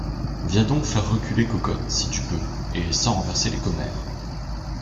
Viens donc faire reculer Cocotte, si tu peux, et sans renverser les commères!